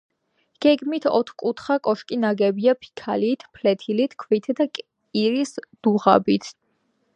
გეგმით ოთხკუთხა კოშკი ნაგებია ფიქალით, ფლეთილი ქვითა და კირის დუღაბით.